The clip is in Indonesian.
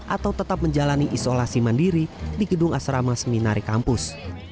atau tetap menjalani isolasi mandiri di gedung asrama seminari kampus